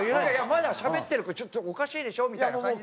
「まだしゃべってるからちょっとおかしいでしょ」みたいな感じで。